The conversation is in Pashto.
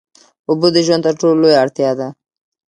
اوبه د ژوند تر ټولو لویه اړتیا ده.